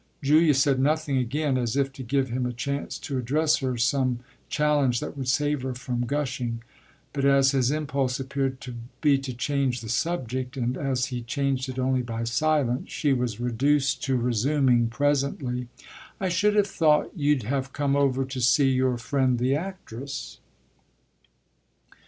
Julia said nothing again, as if to give him a chance to address her some challenge that would save her from gushing; but as his impulse appeared to be to change the subject, and as he changed it only by silence, she was reduced to resuming presently: "I should have thought you'd have come over to see your friend the actress."